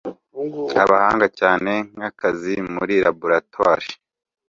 Abahanga cyane nkakazi muri laboratoire